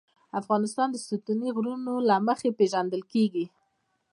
افغانستان د ستوني غرونه له مخې پېژندل کېږي.